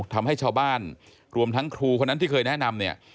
ทำให้ชาวบ้านรวมทั้งครูคนนั้นที่เคยแนะนำเนี่ย